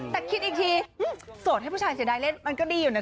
แต่คิดอีกทีสดอยากให้ผู้ชายแสดงแล้วมันก็ดีอยู่น่ะสิ